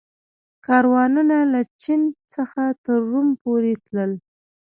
کاروانونه له چین څخه تر روم پورې تلل